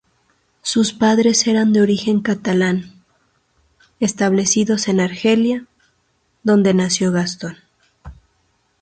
Sus padres eran de origen catalán, establecidos en Argelia, donde nació Gaston.